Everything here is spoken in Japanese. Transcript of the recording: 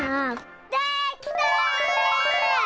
できた！